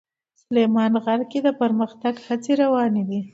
سلیمان غر کې د پرمختګ هڅې روانې دي.